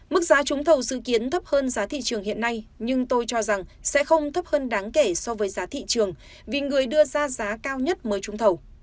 mức giá trúng thầu dự kiến thấp hơn giá thị trường hiện nay nhưng tôi cho rằng sẽ không thấp hơn đáng kể so với giá thị trường vì người đưa ra giá cao nhất mới trung thầu